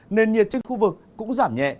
nền nhiệt trên khu vực cũng giảm nhẹ